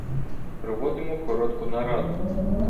Проводимо коротку нараду.